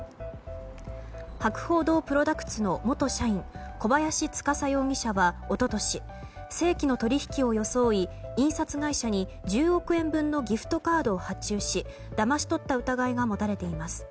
博報堂プロダクツの元社員小林司容疑者は一昨年、正規の取引を装い印刷会社に１０億円分のギフトカードを発注しだまし取った疑いが持たれています。